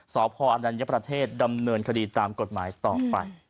สอบพอนัญญประเทศดำเนินคดีตามกฎหมายต่อไป